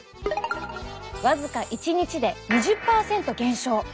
僅か１日で２０％減少！